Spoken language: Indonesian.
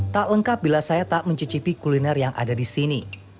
tak lengkap bila saya tak mencicipi kuliner yang ada di sini